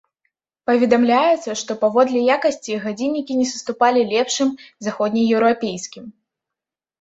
Паведамляецца, што паводле якасці гадзіннікі не саступалі лепшым заходнееўрапейскім.